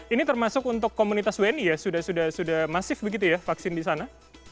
ini termasuk untuk komunitas wni ya sudah sudah masif begitu ya vaksin di sana